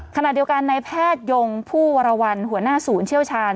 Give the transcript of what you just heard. ขณะเดียวกันในแพทยงผู้วรวรรณหัวหน้าศูนย์เชี่ยวชาญ